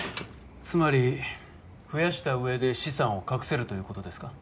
つまり増やした上で資産を隠せるということですか？